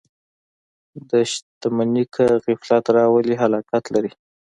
• شتمني که غفلت راولي، هلاکت لري.